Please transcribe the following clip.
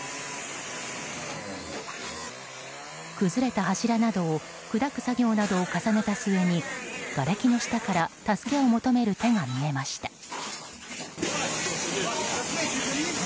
崩れた柱などを砕く作業などを重ねた末にがれきの下から助けを求める手が見えました。